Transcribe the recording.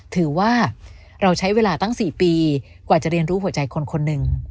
ถือว่าเราใช้เวลาตั้ง๔ปีกว่าจะเรียนรู้หัวใจคนคนหนึ่ง